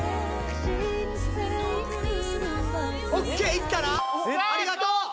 ＯＫいったなありがとうさあ昴